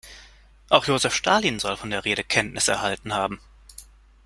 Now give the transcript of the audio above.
Auch Josef Stalin soll von der Rede Kenntnis erhalten haben.